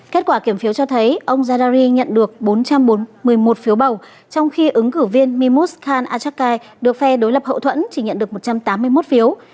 kết quả kiểm phiếu cho thấy ông zardari nhận được bốn trăm một mươi một phiếu bầu trong khi ứng cử viên mimus khan achakai được phe đối lập hậu thuẫn chỉ nhận được một trăm tám mươi một phiếu